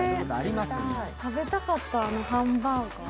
食べたかった、あのハンバーガー。